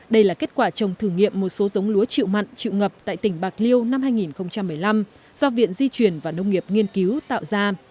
đây là kết quả trồng thử nghiệm một số giống lúa chịu mặn chịu ngập tại tỉnh bạc liêu năm hai nghìn một mươi năm do viện di chuyển và nông nghiệp nghiên cứu tạo ra